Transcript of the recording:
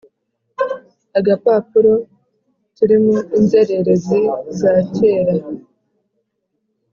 agapapuro turimo inzererezi za kera;